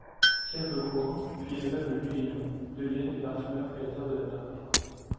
Pierre Lecourt, puis Aimable Duhayon, deviennent les parfumeurs-créateurs de la marque.